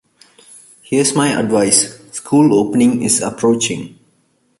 Here’s my advice. School opening is approaching.